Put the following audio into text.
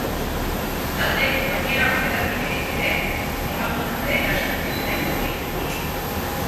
Taldeko gainerako hedabideek ere emango dute lasterketaren berri.